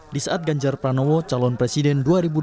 di saat ganjar pranowo calon presiden dua ribu dua puluh